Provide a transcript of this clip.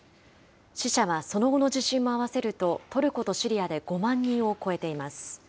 死者はその後の地震も合わせると、トルコとシリアで５万人を超えています。